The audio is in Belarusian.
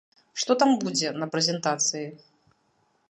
Што там будзе на прэзентацыі?